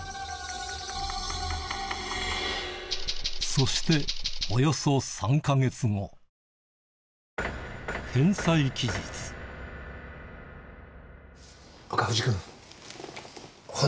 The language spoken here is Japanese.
そしておよそ３か月後岡藤君。